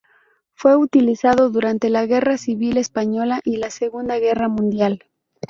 Fue utilizado durante la Guerra Civil Española y la Segunda Guerra Mundial.